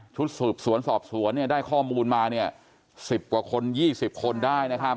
ชุดสืบสวนสอบสวนเนี่ยได้ข้อมูลมาเนี่ยสิบกว่าคนยี่สิบคนได้นะครับ